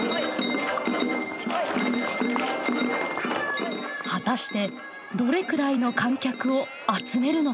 果たしてどれくらいの観客を集めるのか。